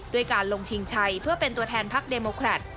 ด้วยการลงชิงชัยเพื่อเป็นตัวแทนพักเดโมแครต